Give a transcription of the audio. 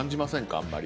あんまり。